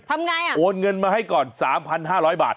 ทำไงอ่ะโอนเงินมาให้ก่อน๓๕๐๐บาท